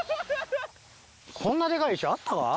こんなデカい石あったか？